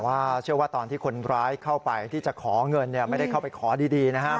เชื่อว่าตอนที่คนร้ายเข้าไปที่จะขอเงินไม่ได้เข้าไปขอดีนะฮะ